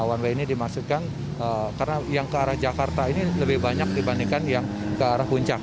one way ini dimaksudkan karena yang ke arah jakarta ini lebih banyak dibandingkan yang ke arah puncak